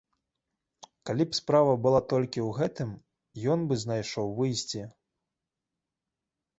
Калі б справа была толькі ў гэтым, ён бы знайшоў выйсце.